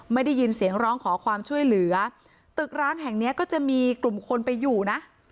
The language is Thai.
ไม่ได้ยินเสียงร้องขอความช่วยเหลือตึกร้างแห่งเนี้ยก็จะมีกลุ่มคนไปอยู่นะ